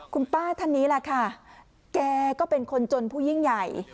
คุณป้าท่านนี้แหละค่ะแกก็เป็นคนจนผู้ยิ่งใหญ่